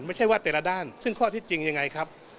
ไม่ใช่ว่าแต่ละด้านซึ่งข้อที่จริงยังไงครับ